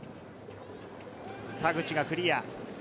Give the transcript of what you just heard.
田口がクリア。